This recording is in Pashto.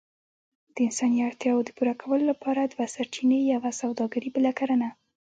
د انساني اړتياوو د پوره کولو لپاره دوه سرچينې، يوه سووداګري بله کرنه.